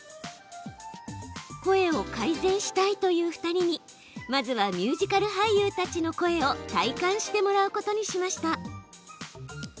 声を改善したいという２人にまずはミュージカル俳優たちの声を体感してもらうことにしました。